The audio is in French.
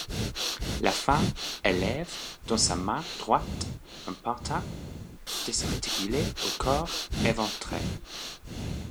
La femme élève dans sa main droite un pantin désarticulé, au corps éventré.